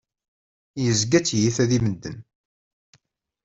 Yezga d tiyita di medden.